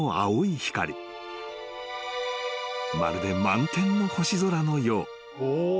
［まるで満天の星空のよう］